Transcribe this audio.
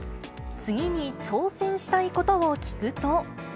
次に挑戦したいことを聞くと。